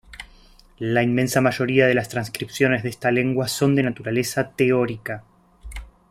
La inmensa mayoría de las transcripciones de esta lengua son de naturaleza teórica.